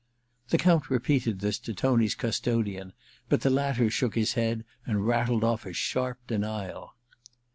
The Count repeated this to Tony's custodian, but the latter shook his head and rattled off a sharp denial.